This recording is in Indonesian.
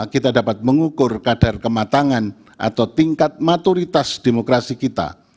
kita dapat mengukur kadar kematangan atau tingkat matoritas demokrasi kita